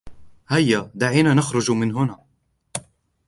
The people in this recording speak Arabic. هيا. دعينا نخرج من هنا.